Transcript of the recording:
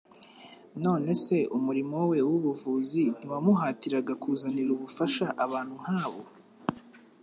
None se umurimo we w'ubuvuzi ntiwamuhatiraga kuzanira ubufasha abantu nk' abo?